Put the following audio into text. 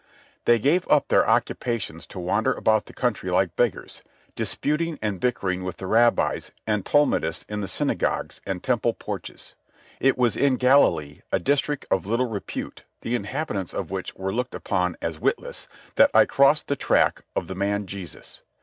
They gave up their occupations to wander about the country like beggars, disputing and bickering with the rabbis and Talmudists in the synagogues and temple porches. It was in Galilee, a district of little repute, the inhabitants of which were looked upon as witless, that I crossed the track of the man Jesus.